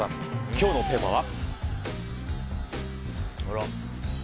今日のテーマは。